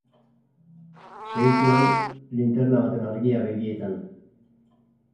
Segituan, linterna baten argia begietan.